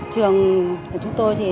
trường của chúng tôi